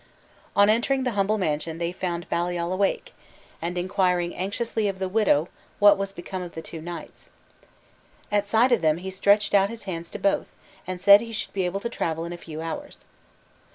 On entering the humble mansion they found Baliol awake, and anxiously inquiring of the widow what was become of the two knights. At sight of them he stretched out his hands to both, and said he should be able to travel in a few hours.